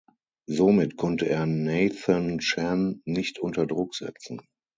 Somit konnte er Nathan Chen nicht unter Druck setzen.